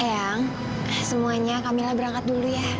ayang semuanya kamila berangkat dulu ya